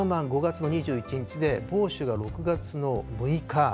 小満、５月の２１日で、芒種が６月の６日。